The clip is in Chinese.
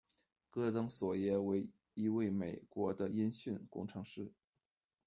戈登·索耶为一位美国的音讯工程师。